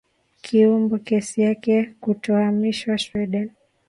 kiomba kesi yake kutohamishiwa sweden